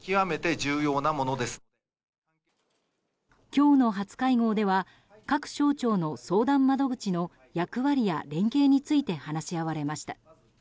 今日の初会合では各省庁の相談窓口の役割や連携について話し合われました。